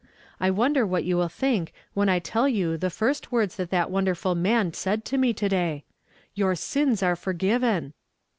I wonder what you will think ^^■hen I tell you the first words that that wonderful man said to me to day? ' Your sins are forgiven."